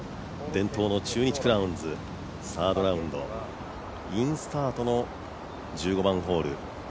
伝統の中日クラウンズサードラウンドインスタートの１５番ホール。